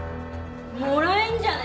もらえんじゃね？